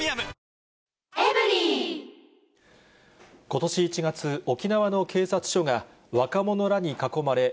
ことし１月、沖縄の警察署が若者らに囲まれ、